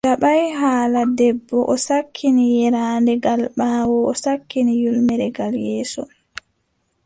O jaɓaay haala debbo, o sakkini yeeraande gal ɓaawo, o sakkini ƴulmere gal yeeso.